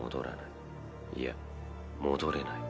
いや戻れない。